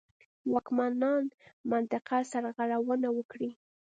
واکمنان منطقه سرغړونه وکړي.